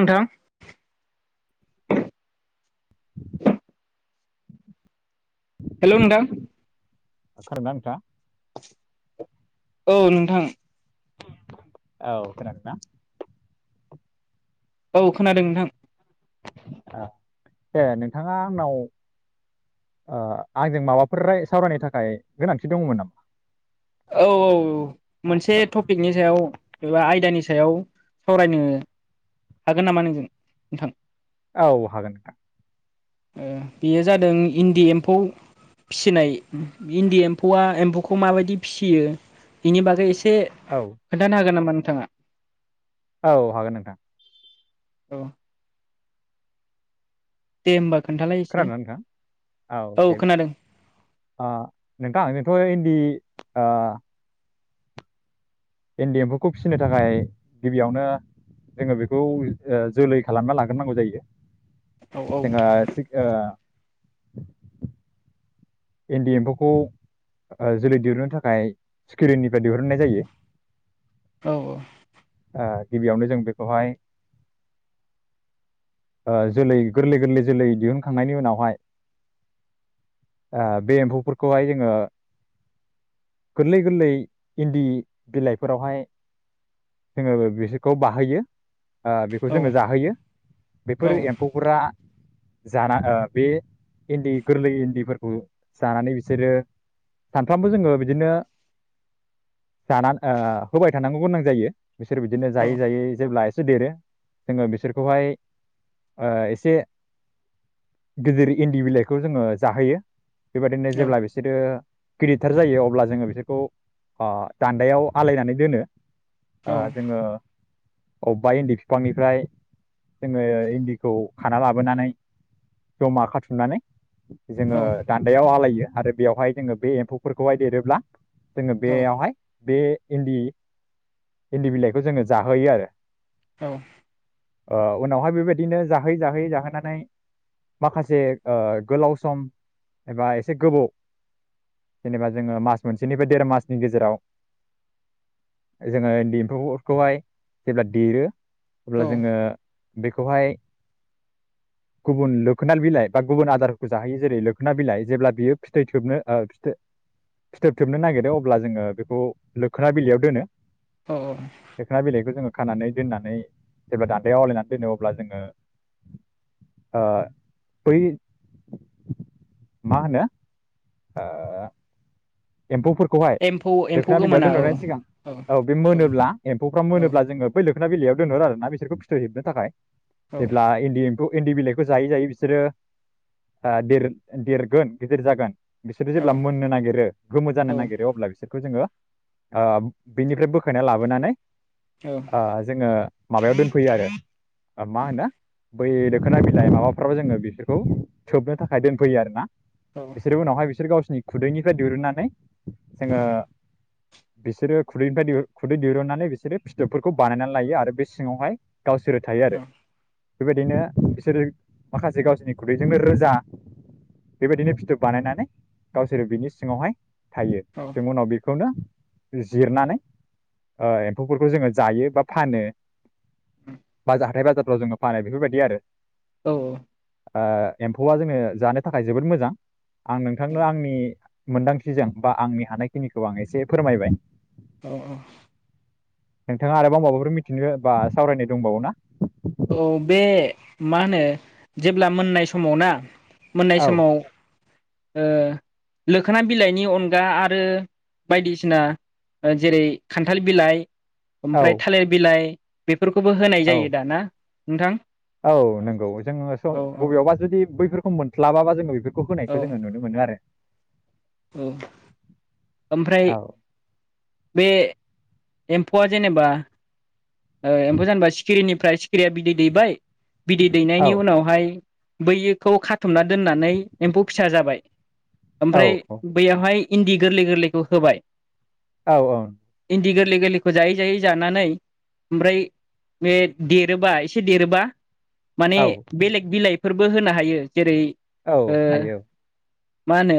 नोथां। हेलौ नोंथां। [unintelligible] औ नोंथां। औ खोनादोंना। औ खोनादों नोंथां। ओ दे नोंथाङा आंनाव ओ आंजों माबाफोर राय सावरायनो थाखाय गोनांथि दङमोन नामा। औ औ आ, मोनसे सा- टपिकनि सायाव एबा आयदानि सायाव सावरायनो हागोन नामा नोंजों नोंथां। औ हागोन। ओ बेयो जादों इन्दि एम्फौ फिसिनाय इन्दि एम्फौआ एम्फौखौ माबायदि फिसियो बेनि बागै एसे। से औ खोन्थानो हागोन नामा। थाङा। औ हागोन नोंथां। औ। दे होनबा। खोनादोंना नोंथां औ दे खोनादों ओ नोंथां जोंथ' इन्दि ओ। इन्दि एम्फौखौ फिसिनो थाखाय गिबियावनो जोङो बेखौ जोलै खालामना लाग्रोनांगौ जायो। औ औ [unintelligible] [inaudible] इन्दि एम्फौखौ ओ जोलै दिरुननो थाखाय सिखिरिनिफ्राय दिरुननाय जायो। औ औ। ओ गिबियावनो जों बेखौहाय ओ जोलै गोरलै गोरलै जोलै दिहुनखांनायनि उनावहाय। ओ बे एम्फौफोरखौहाय जोङो गोरलै गोरलै इन्दि बिलाइफोरावहाय जोङो बिसोरखौ बाहोयो। ओ बेखौ औ जोङो जाहोयो बेफोर एम्फौफोरा जाना ओ बे इन्दि गोरलै इन्दिफोर जानानै बिसोरो सानफ्रामबो जोङो बिदिनो जाना ओ होबाय थानांगौ गोनां जायो। बिसोर बिदिनो औ जायै जायै जेब्ला से देरो जोङो बिसोरखौहाय ओ एसे गिदिर इन्दि बिलाइखौ जोङो जाहोयो। बेबायदिनो जेब्ला बिसोरो गिदिथार जायो। अब्ला जोङो बिसोरखौ ओ दान्दायाव आलायनानै दोनो। आ जोङो। अबेबा इन्दि बिफांनिफ्राय जोङो इन्दिखौ खाना लाबोनानै जमा खाथुमनानै जोङो। आलायो आरो बेवहाय जोङो बे एम्फौफोरखौहाय देरोब्ला जोङो बेयावहाय बे इन्दि इन्दि बिलाइखौ जोङो जाहोयो आरो। औ। ओ उनावहाय बेबायदिनो जाहोयै जाहोयै जाहोनानै माखासे गोलाव सम एबा एसे गोबाव जेनेबा जोङो मास मोनसेनिफ्राय देर मासनि गेजेराव जोङो इन्दि एम्फौफोरखौहाय जेब्ला देरो अब्ला जोङो बेखौहाय गुबुन लोखोनाल बिलाइ बा गुबुन आदारखौ जाहोयो जेरै लो खोना बिलाइ जेब्ला बियो फिथैथोबनो ओ फिथो फिथोब थोबनो नागिरो अब्ला जोङो बेखौ लोखोना बिलाइयाव दोनो। औ लोखोना बिलायखौ जोङो खानानै दोननानै जेब्ला दान्दायाव आवलायनानै दोनो अब्ला जोङो ओ बै मा होनो ओ एम्फौफोरखौहाय एम्फौ एम्फौ लोखोना बिलाइयाव गोमोना औ दोनह'नायनि सिगां औ बे मोनोब्ला एम्फौफ्रा औ मोनोब्ला जोङो बै लो खोना बिलायाव दोनहर आरो ना बिफोरखौ फिथोब हेबनो थाखाय औ जेब्ला इन्डि एम्फौ इन्दि बिलाइखौ जायै जायै बिसोरो ओ देर देरगोन गिदिर जागोन बिसोरो जेब्ला औ मोननो नागिरो गोमो औ जानो नागिरो अब्ला बेखौ जोङो ओ बेनिफ्राय बोखायना लाबोनानै ओ जोङो माबायाव दोनफैयो आरो मा होनो बै दोखोना बिलाइ माबाफ्राव जोङो बिसोरखौ सोबनो थाखाय दोनफैयो आरोना। बिसोर उनावहाय बिसोर गावसिनि खुदैनिफ्राय दिरुनना नै जोङो बिसोरो खुदैनिफ्राय खुदै दिरुननानै बिसोरो फिथोबफोरखौ बानायनानै लायो आरो बे सिङावहाय गावसोरो थायो औ आरो। बेबायदिनो बिसोरो माखासे गावसोरनि खुदैजोंनो रोजा बेबायदिनो फिथोब बानायनानै गावसोरो बिनि सिङावहाय थायो जों उनाव बे खौनो जिरनानै एम्फौफोरखौ जोङो जायो बा फानो बाजार हाथाय बाजार फोराव जोंङो फानो बेफोरबायदि आरो। औ ओ एम्फौआ जोङो जानो थाखाय जोबोद मोजां। आं नोंथांनो आंनि मोनदां थिजों बा आंनि हानायखिनिखौ आं एसे फोरमायबाय अ अ नोंथाङा आरोबाव माबाफोर मिथिनो बा सावरायनो दंबावोना? औ बे मा होनो जेब्ला मोननाय समाव ना? मोननाय औ समाव ओ लोखोना बिलाइनि अनगा आरो बायदिसिना ओ जेरै खान्थाल बिलाइ ओमफ्राय औ थालिर बिलाइ बेफोरखौबो होनाय औ जायो दाना नोंथां औ नंगौ जोङो स औ बबेयावबा जुदि बैफोर सम मोस्लाबाबा जोङो बेफोर खौ होनायखौ जोङो नुनो मोनो आरो ओं ओमफ्राय औ बे एम्फौआ जेनेबा एम्फौ जानोबा सिखिरिनि फ्राय सिखिरिया बिदै दैबाय बिदै औ दैनायनि उनावहाय बैयोखौ खा बुथुमना दोननानै एम्फौ फिसा जाबाय औ ओमफ्राय बैयावहाय इन्दि गोरलै गोरलैखौ होबाय औ ओं इन्दि गोरलै गोरलैखौ जायै जायै जानानै ओमफ्राय बे देरोबा एसे देरोबा माने औ बेलेग बिलाइ फोरबो होनो हायो जेरै औ ओ हायो औ मा होनो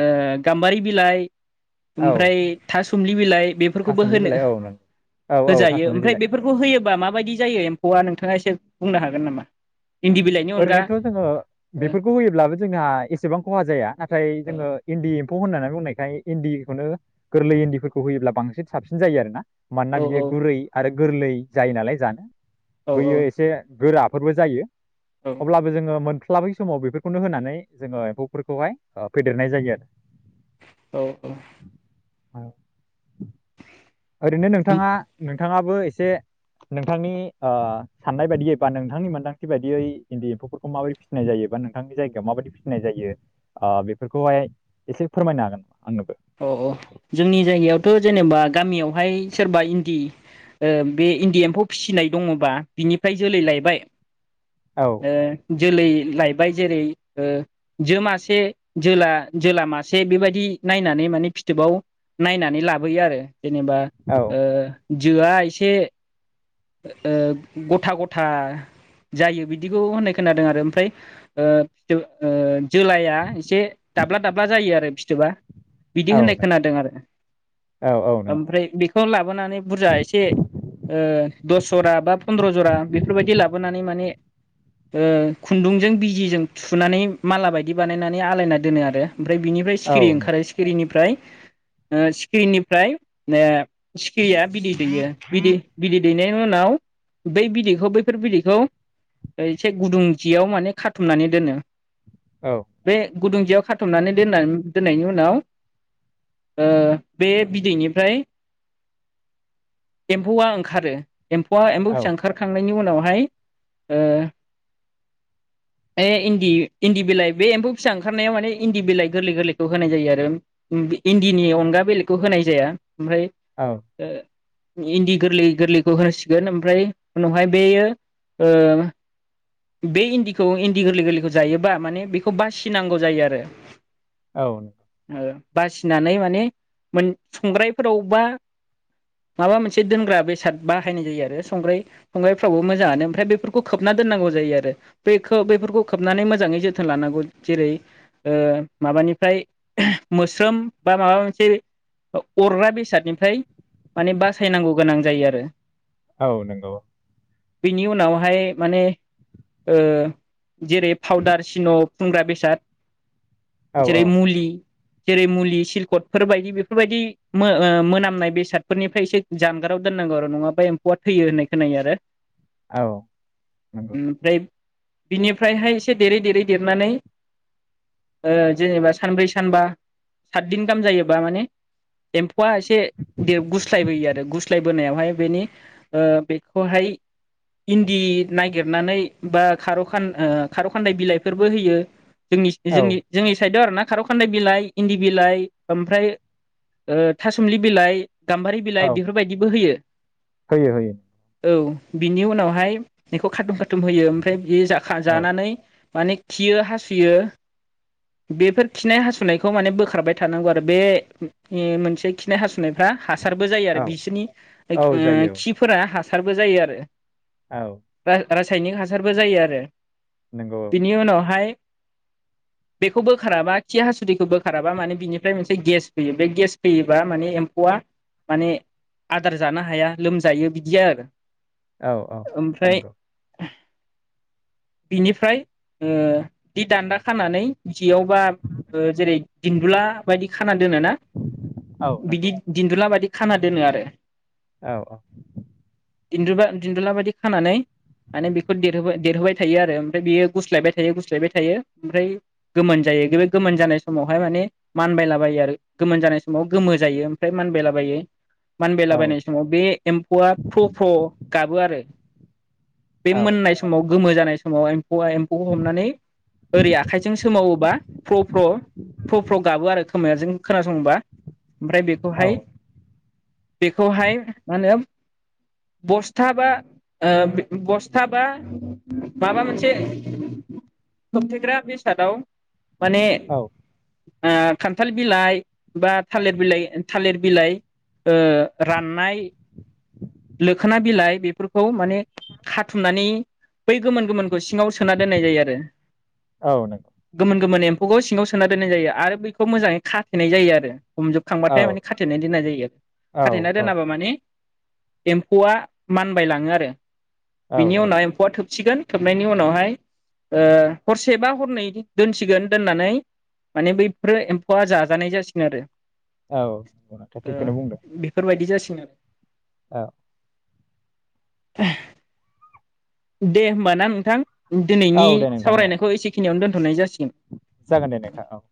ओ गाम्बारि बिलाइ औ ओमफ्राय थास सुमलि बिलाइ बेफोरखौबो थासुमलि होनो बिलाइ औ नंगौ औ औ होजायो थासुमलि बिलाइ ओमफ्राय बेफोरखौ होयोबा मा बायदि जायो एम्फौआ नोंथाङा एसे बुंनो हागोन नामा? इन्दि बिलाइनि अनगा ओरैनोथ' जोङो ओ बेफोरखौ होयोब्लाबो जोंहा एसेबां खहा जाया नाथाय ओ जोङो इन्दि एम फौ होननानै बुंनायखाय इन्दिखौनो गोरलै इन्दिफोरखौ होयोब्ला बांसिन साबसिन जायो आरो ना। मानोना औ बियो गुरै आरो गोरलै जायो नालाय जानो बैयो एसे गोराब फोरबो जायो औ अब्लाबो जोङो मोन स्लाबै समाव बेफोरखौनो होनानै जोङो एम्फौफोरखौहाय फेदेरनाय जायो आरो औ औ औ ओरैनो होम नोंथाङा नों थाङाबो एसे नोंथांनि ओ साननाय बायदियै बा नोंथांनि मोन्दांथि बायदियै इन्दि एम्फौफोरखौ माबायदि फिनाय जायो बा नोंथांनि जायगायाव माबायदि फिनाय जायो ओ बेफोरखौहाय एसे फोरमायनो हागोन आंनोबो। अ औ जोंनि जायगायावथ जेनेबा गामियावहाय सोरबा इन्दि ओ बे इन्दि एम्फौ फिसिनाय दङबा बिनिफ्राय जोलै लायबाय औ [unintelligible] जोलै लायबाय जेरै ओ जो मासे जोला जोला मासे बेबायदि नायनानै माने फिथोबाव नायनानै लाबोयो आरो जेनेबा औ ओ जोआ एसे ओ गथा गथा जायो बिदिखौ होननाय खोनादों आरो ओमफ्राय ओ ओ जोलाया एसे दाब्ला दाब्ला जायो आरो फिथोबा। बिदि होननाय औ नों खोनादों आरो औ औ नंगौ ओमफ्राय बे [unintelligible] बोनानै बुरजा एसे ओ दस जरा बा फन्द्र जरा बेफोरबायदि लाबोनानै माने ओ खुन्दुंजों बिजिजों थुनानै माला बायदि बानायनानै आलायना दोनो आरो ओमफ्राय बिनिफ्राय औ सिखिरि नों ओंखारो सिखिरिनि फ्राय ओ सिखिरिनिफ्राय ओ सि खिरिया बिदै दैयो बिदै बिदै दैनायनि उनाव बै बिदैखौ बैफोर बिदैखौ एसे गुदुं जियाव माने खाथुमनानै दोनो। औ बे गुदुं जियाव खाथुमनानै दोननानै दोननायनि उनाव ओ बे बिदैनिफ्राय एम्फौआ ओं खारो एमफौआ एमफौ औ फिसा ओखारखांनायनि उनाव हाय ओ इन्दि इन्दि बिलाइ बे एम्फौ फिसा ओंखारनायाव माने इन्दि बिलाइ गोरलै गोरलैखौ होनाय जायो आरो इन्दिनि अनगा बिलाइखौ होनाय जाया ओमफ्राय औ ओ इन्दि गोरलै गोरलैखौ होनोसिगोन ओमफ्राय उनावहाय बेयो ओ बे इन्दिखौ इन्दि गोरलै गोरलैखौ जायोबा माने बेखौ बासिनांगौ जायो आरो औ ओ बासिनानै माने मोन संग्रायफोराव बा माबा मोनसे दोनग्रा बे बेसाद बाहायनाय जायो आरो संग्राय संग्रायफ्रावबो मोजाङानो ओमफ्राय बेफोरखौ खोबना दोननांगौ जायो आरो बे बेफोरखौ खोबनानै मोजाङै जोथोन लानांगौ जेरै ओ माबानिफ्राय मोस्रोम बा माबा मोनसे अरग्रा बेसादनिफ्राय माने बासायनांगौ गोनां जायो आरो [unintelligible] औ नोंगौ बिनि उनावहाय माने ओ जेरै पावदार सिन सुंग्रा बेसाद औ जेरै मुलि जेरै मुलि सिलकटफोर बायदि बेफोरबायदि ओ मोनामनाय बेसादफोरनिफ्राय एसे जानगाराव दोन होनांगौ आरो नङाबा एम्फौआ थैयो होननाय खोनायो आरो। औ नंगौ ओमफ्राय बिनिफ्रायहाय एसे देरै देरै देरनानै ओ जेनेबा सानब्रै सानबा सातदिन गाहाम जायोबा माने एमफ आ एसे दे गुस्लायबोयो आरो गुस्लाय होनायावहाय बेनि ओ बेखौहाय इन्दि नागिरनानै बा खार'खान्दाय बिलाइफोरबो होयो जोंनि औ जोंनि जोंनि साइडआव आर ना खार' खान्दनाय बिलाइ इन्दि बिलाइ ओमफ्राय थासुमलि बिलाइ गाम्बारि बिलाइ, औ बेफोरबायदि होयो होयो होयो औ बिनि उनावहाय बेखौ खारथुम खारथुम बुथुम होयो ओमफ्राय बे जाखा औ जानानै माने खियो हासुयो बेफोर खिनाय हासुनायखौ माने बोखारबाय थानांगौ आरो बे मोनसे खिनाय हासुनायफ्रा हासारबो जायो आरो औ बिसोरनि ओ औ जायो खिफोरा हासारबो जायो आरो औ रासायनिक हासारबो जायो आरो। नंगौ बिनि उनावहाय बेखौ बोखाराबा खि हासुदैखौ बोखाराबा माने बिनिफ्राय मोनसे गेस फैयो बे गेस फैयोबा माने एम्फौआ माने आदार जानो हाया लोमजायो बिदि आरो औ औ ओमफ्राय नंगौ बिनिफ्राय ओ दि दान्दा खानानै खाथियावबा जेरै दिन्दुला बायदि खाना दोन ना औ बिदि नंगौ दिन्दुला बायदि खाना दोनो आरो औ औ दिन्दा दिन्दुला बायदि खानानै माने बेखौ देरहाय देरहोबाय थायो आरो ओमफ्राय बियो गुस्लायबाय थायो गुस्लायबाय थायो ओमफ्राय गोमोन जायो बे गोमोन जानाय समावहाय माने मानबायलाबायो आरो गोमोन जानाय समाव गोमो जायो ओमफ्राय मानबायलाबायो। औ औ मानबायलाबायनाय समाव बे एम्फौवा फ्र फ्र गाबो आरो बे औ मोननाय समाव गोमो जानाय समावहाय औवा एम्फौ हमनानै ओरै आखाइजों सोमावोबा फ्र फ्र फ्र फ्र गाबो आरो खोमायाजों खोनासङोबा ओमफ्राय औ बेखौहाय बेखौहाय मा होनो बस्था बा ओ बस्था बा माबा मोनसे खोबथेग्रा बेसादाव माने औ आ खान्थाल बिलाइ बा थालिर बिलाइ थालिर बिलाइ ओ राननाय लोखोना बिलाइ बेफोरखौ माने खाथुमनानै बै गोमोन गोमोन सिङाव सोना दोननाय जायो आरो औ नंगौ गोमोन गोमोन एम फौखौ सिङाव सोना दोननाय जायो आरो बैखौ मोजाङै खाथेनाय जायो आरो औ हमजोबखांबाथाय माने खाथेना दोननाय जायो। औ खाथेना औ दोनाबा माने एम्फौआ मानबाय लाङो आरो औ बिनि उनाव एम्फौआ थोब सिगोन थोबनायनि उनावहाय ओ हरसेबा हरनै दोनसिगोन दोननानै माने बैफोरो एम्फौआ जाजानाय जासिगोन आरो औ [unintelligible] ओ थिखौनो बुंदो। बेफोरबायदि जासिगोन आरो औ। [inaudible] दे होमबा ना नोंथां। औ दोनैनि दे नोंथां सावरायनायखौ एसेखिनियावनो दोन [unintelligible] जागोन दे नोंथां औ।